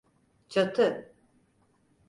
Çatı!